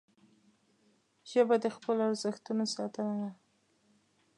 ژبه د خپلو ارزښتونو ساتنه ده